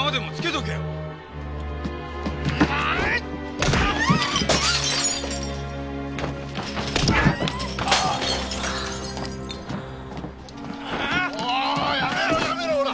おいやめろやめろほら。